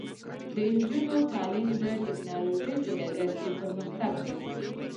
د نجونو تعلیم د ټیکنالوژۍ په ډګر کې پرمختګ دی.